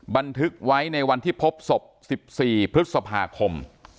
บันทึกไว้ในวันที่พบศพ๑๔พฤษภาคม